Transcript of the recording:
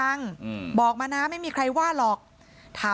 พี่น้องของผู้เสียหายแล้วเสร็จแล้วมีการของผู้เสียหาย